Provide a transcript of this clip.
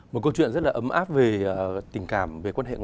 một câu chuyện rất là ấm áp về tình cảm về quan hệ ngoại giao